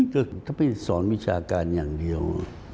ก็ถ้าพี่สอนวิชาการอย่างเดียว